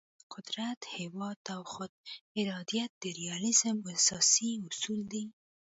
قدرت، هیواد او خود ارادیت د ریالیزم اساسي اصول دي.